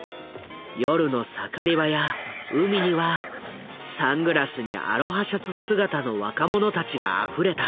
夜の盛り場や海にはサングラスにアロハシャツ姿の若者たちがあふれた。